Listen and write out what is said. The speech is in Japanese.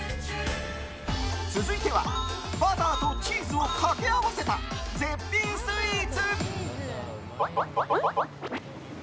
続いては、バターとチーズをかけ合わせた絶品スイーツ。